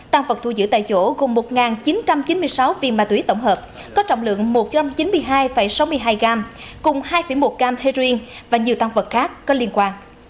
tăng vật thu giữ tại chỗ gồm một chín trăm chín mươi sáu viên ma túy tổng hợp có trọng lượng một trăm chín mươi hai sáu mươi hai gram cùng hai một gram heroin và nhiều tăng vật khác có liên quan